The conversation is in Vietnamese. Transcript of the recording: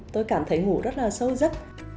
tôi cảm thấy ngủ rất là sâu giấc